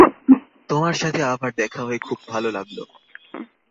তোমার সাথে আবার দেখা হয়ে খুব ভালো লাগলো।